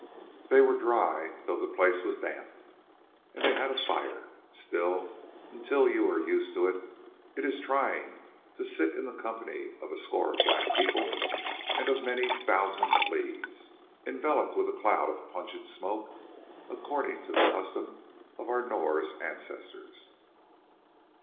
They were dry, though the place was damp, and they had a fire. Still, until you are used to it, it is trying to sit in the company of a score of black people and of many thousand fleas, enveloped with a cloud of pungent smoke, according to the custom of our Norse ancestors.